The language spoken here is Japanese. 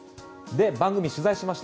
番組、取材しました。